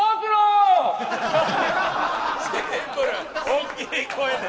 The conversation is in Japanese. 大きい声で。